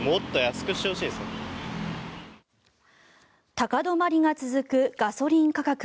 高止まりが続くガソリン価格。